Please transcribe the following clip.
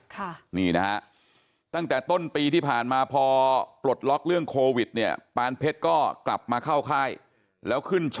ค่ะนี่นะฮะตั้งแต่ต้นปีที่ผ่านมาพอปลดล็อกเรื่องโควิดเนี่ยปานเพชรก็กลับมาเข้าค่ายแล้วขึ้น